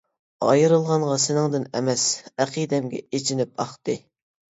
ئايرىلغانغا سېنىڭدىن ئەمەس، ئەقىدەمگە ئېچىنىپ ئاقتى.